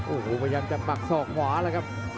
โอ้โหพยายามจะปักศอกขวาแล้วครับ